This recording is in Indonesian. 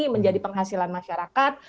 menjadi penghasilan masyarakat